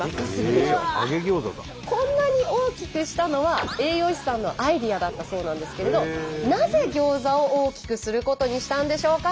こんなに大きくしたのは栄養士さんのアイデアだったそうなんですけれどなぜギョーザを大きくすることにしたんでしょうか？